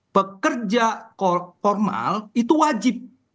pekerja formal itu wajib